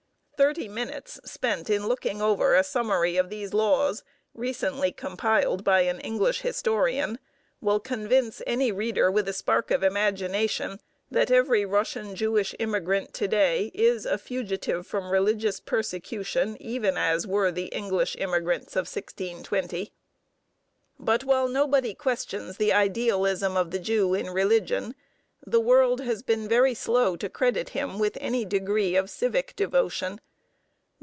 Thirty minutes spent in looking over a summary of these laws recently compiled by an English historian(1) will convince any reader with a spark of imagination that every Russian Jewish immigrant to day is a fugitive from religious persecution, even as were the English immigrants of 1620. (1) Lucien Wolf, Legal Sufferings of the Jews in Russia. But while nobody questions the idealism of the Jew in religion, the world has been very slow to credit him with any degree of civic devotion.